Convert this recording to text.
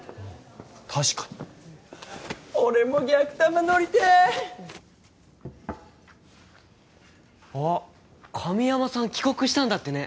確かに俺も逆玉のりてあ神山さん帰国したんだってね？